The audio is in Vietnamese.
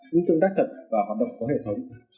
luôn tương tác thật và hoạt động có hệ thống